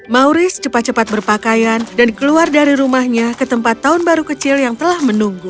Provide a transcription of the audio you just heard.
mauris cepat cepat berpakaian dan keluar dari rumahnya ke tempat tahun baru kecil yang telah menunggu